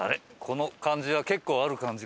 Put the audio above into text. この感じは結構ある感じかな？